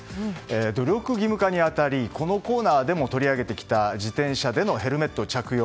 努力義務に当たりこのコーナーでも取り上げてきた自転車でのヘルメット着用。